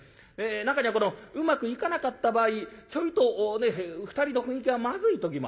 中にはこのうまくいかなかった場合ちょいとね２人の雰囲気がまずい時もある。